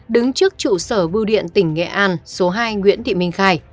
đứng trước trụ sở bưu điện tỉnh nghệ an số hai nguyễn thị minh khai